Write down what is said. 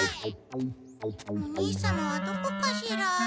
お兄様はどこかしら。